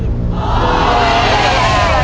ถูก